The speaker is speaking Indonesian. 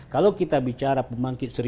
kalau kita bicara pembangkit